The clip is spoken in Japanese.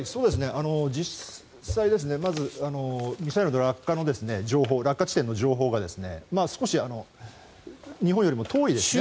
実際まず、ミサイルの落下の情報落下地点の情報が少し日本よりも遠いですね。